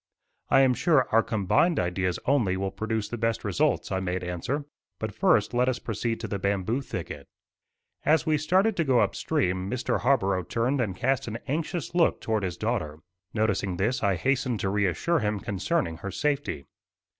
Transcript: "I am sure our combined ideas only will produce the best results," I made answer. "But first let us proceed to the bamboo thicket." As we started to go up stream, Mr. Harborough turned and cast an anxious look toward his daughter. Noticing this, I hastened to reassure him concerning her safety.